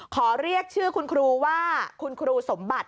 ขอเรียกชื่อคุณครูว่าคุณครูสมบัติ